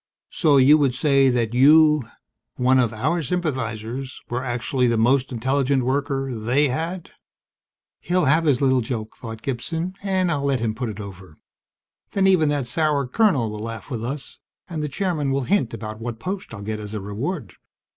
"So you would say that you one of our sympathizers were actually the most intelligent worker they had?" He'll have his little joke, thought Gibson, _and I'll let him put it over. Then, even that sour colonel will laugh with us, and the Chairman will hint about what post I'll get as a reward.